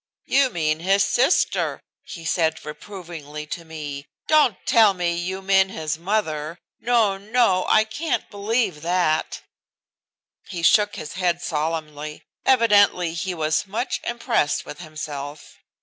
"You mean his sister," he said reprovingly to me. "Don't tell me you mean his mother. No, no, I can't believe that." He shook his head solemnly. Evidently he was much impressed with himself.